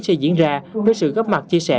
sẽ diễn ra với sự góp mặt chia sẻ